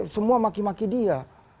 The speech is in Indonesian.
semua maki maki dia